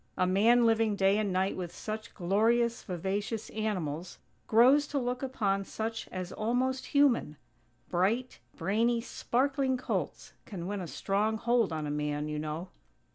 A man living day and night with such glorious, vivacious animals, grows to look upon such as almost human. Bright, brainy, sparkling colts can win a strong hold on a man, you know.